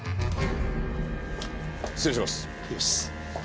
失礼します。